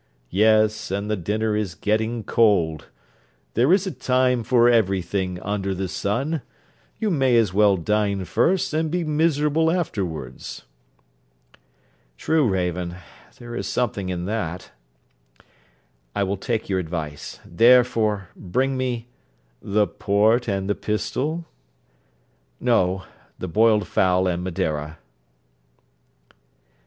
'Yes; and the dinner is getting cold. There is a time for every thing under the sun. You may as well dine first, and be miserable afterwards.' 'True, Raven. There is something in that. I will take your advice: therefore, bring me ' 'The port and the pistol?' 'No; the boiled fowl and Madeira.'